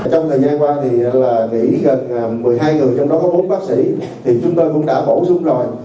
trong thời gian qua thì là chỉ gần một mươi hai người trong đó có bốn bác sĩ thì chúng tôi cũng đã bổ sung rồi